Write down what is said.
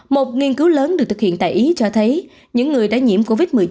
một nghiên cứu lớn được thực hiện tại ý cho thấy những người đã nhiễm covid một mươi chín